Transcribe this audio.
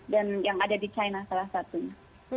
dan yang ada di china salah satunya